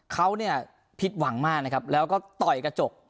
เขาเนี่ยผิดหวังมากนะครับแล้วก็ต่อยกระจก